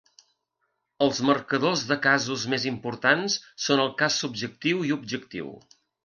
Els marcadors de casos més importants són el cas subjectiu i objectiu.